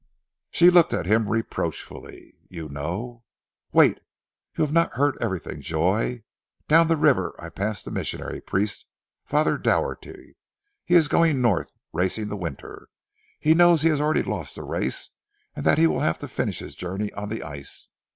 She looked at him reproachfully. "You know " "Wait! You have not heard everything, Joy! Down the river I passed the missionary priest, Father Doherty. He is going North racing the winter. He knows he has already lost the race, and that he will have to finish his journey on the ice.